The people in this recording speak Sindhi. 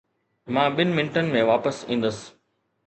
مان ٻن منٽن ۾ واپس ايندس